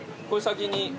これ先に？